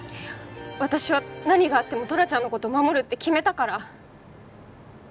私は何があってもトラちゃんの事守るって決めたから。